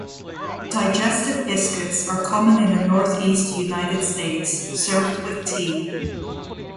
Digestive biscuits are common in the Northeast United States, served with tea.